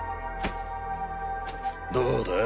どうだ？